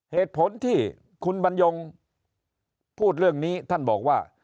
เหตุผลที่คุณบรรยงพูดเรื่องนี้ท่านบอกว่า